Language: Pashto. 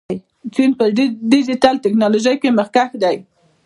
چین په ډیجیټل تکنالوژۍ کې مخکښ دی.